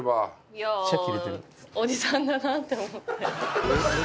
いやあおじさんだなって思って。